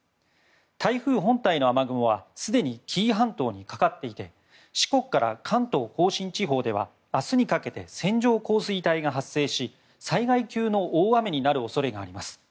台風本体の雨雲はすでに紀伊半島にかかっていて四国から関東・甲信地方では明日にかけて線状降水帯が発生し災害級の大雨になる恐れがあります。